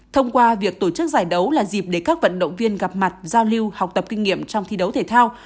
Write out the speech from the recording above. thông qua việc tổ chức giải đấu là dịp để các vận động viên gặp mặt giao lưu học tập kinh nghiệm trong thi đấu thể thao